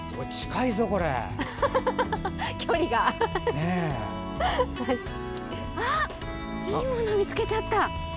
いいもの見つけちゃった。